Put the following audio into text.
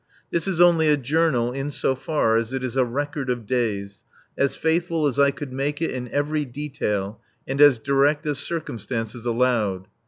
This is only a Journal in so far as it is a record of days, as faithful as I could make it in every detail, and as direct as circumstances allowed.